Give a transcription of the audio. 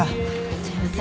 すいません。